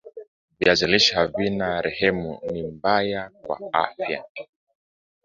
viazi lishe havina rehemu ni mbaya kwa afya